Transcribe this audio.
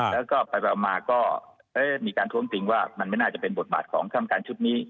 แล้วก็ไปมาก็ได้มีการท้วงติงว่ามันไม่น่าจะเป็นบทบาทของคำการชุดนี้